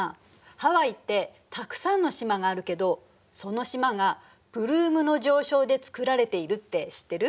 ハワイってたくさんの島があるけどその島がプルームの上昇でつくられているって知ってる？